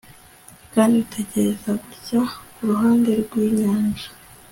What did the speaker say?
kandi utekereza gutya, kuruhande rwinyanja